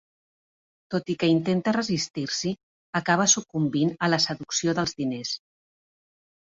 Tot i que intenta resistir-s'hi, acaba sucumbint a la seducció dels diners.